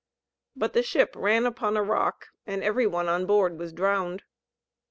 But the ship ran upon a rock, and every one on board was drowned.